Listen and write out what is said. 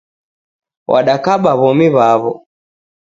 W'adakaba w'omi w'aw'o .